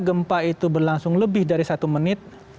gempa itu berlangsung lebih dari satu menit